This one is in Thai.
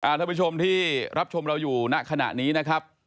ท่านผู้ชมที่รับชมเราอยู่ณขณะนี้นะครับ